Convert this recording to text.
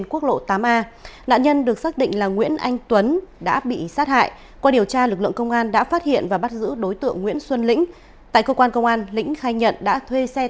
các bạn hãy đăng ký kênh để ủng hộ kênh của chúng mình nhé